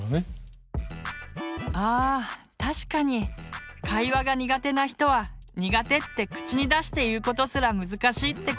あ確かに会話が苦手な人は「苦手」って口に出して言うことすら難しいってこともあるかもね。